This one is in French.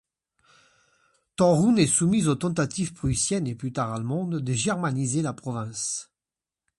Toruń est soumise aux tentatives prussiennes et plus tard allemandes de germaniser la province.